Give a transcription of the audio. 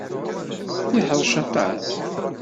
Yeḥṛec aṭas.